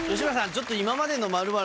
ちょっと。